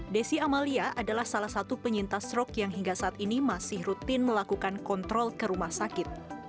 desi amalia adalah salah satu penyintas stroke yang hingga saat ini masih rutin melakukan kontrol ke rumah sakit